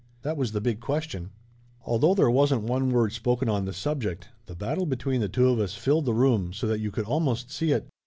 That was the big question. Although there wasn't one word spoken on the subject, the battle between the two of us filled the room so that you could almost see it.